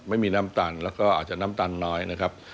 ไม่มีน้ำตาลแล้วก็อาจจะน้ำตาลน้อยนะครับ